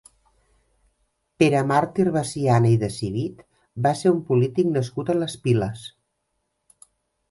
Pere Màrtir Veciana i de Civit va ser un polític nascut a les Piles.